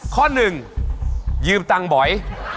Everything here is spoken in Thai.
ข้อ๑ยืมตังค์บ่อย